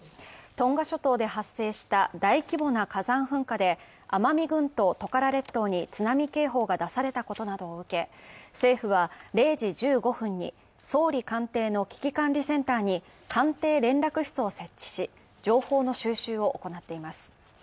トンガ諸島で発生した大規模な火山噴火で、奄美群島トカラ列島に津波警報が出されたことなどを受け、政府は０時１５分に総理官邸の危機管理センターに官邸連絡室を設置し、情報の収集を行っています。